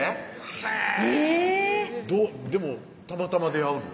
へぇでもたまたま出会うの？